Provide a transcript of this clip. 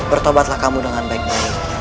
bertobatlah kamu dengan baik baik